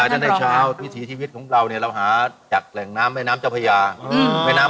ขายตั้งแต่เช้าวิถีทีวิตของเราเนี่ยเราหาจากแหล่งน้ำแม่น้ำเจ้าพยา